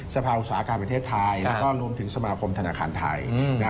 สภาอุตสาหกรรมประเทศไทยแล้วก็รวมถึงสมาคมธนาคารไทย